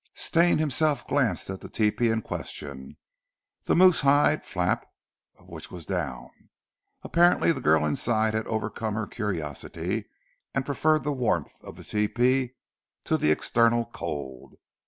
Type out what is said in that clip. Stane himself glanced at the tepee in question, the moose hide flap of which was down. Apparently the girl inside had overcome her curiosity, and preferred the warmth of the tepee to the external cold.